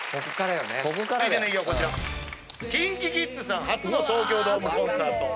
ＫｉｎＫｉＫｉｄｓさん初の東京ドームコンサート。